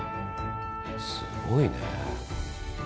すごいね。